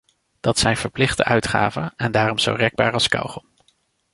Dat zijn verplichte uitgaven en daarom zo rekbaar als kauwgom.